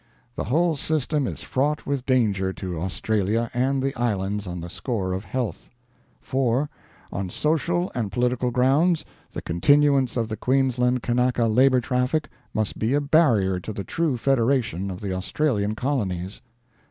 The whole system is fraught with danger to Australia and the islands on the score of health. "4. On social and political grounds the continuance of the Queensland Kanaka Labor Traffic must be a barrier to the true federation of the Australian colonies.